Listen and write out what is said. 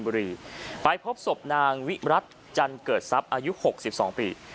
ไปพบศพนางวิรัติจันเกิดทรัพย์อายุหกสิบสองปี